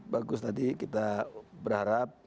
bagus tadi kita berharap